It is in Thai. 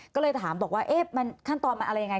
ก็เลยถามบอกว่าขั้นตอนมันอะไรยังไง